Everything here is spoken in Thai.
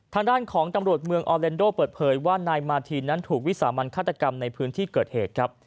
ทางด้านของตำรวจเมืองออเลนโดเปิดเผยว่านายมาทีนนั้นถูกวิสามันฆาตกรรมในพื้นที่เกิดเหตุครับ